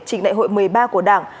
chính đại hội một mươi ba của đảng